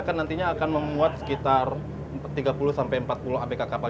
kan nantinya akan memuat sekitar tiga puluh sampai empat puluh abk kapal